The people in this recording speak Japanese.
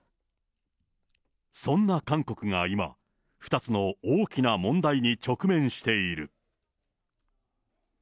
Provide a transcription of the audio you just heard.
そんな韓国が今、２つの大きな問題に直面している。